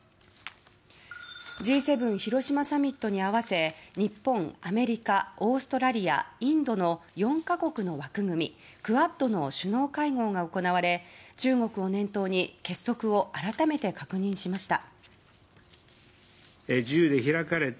Ｇ７広島サミットに合わせ日本、アメリカ、オーストラリアインドの４か国の枠組みクアッドの首脳会合が行われ中国を念頭に結束を改めて確認しました。